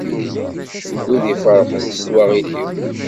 Wid iferrḥen s twaɣit-iw.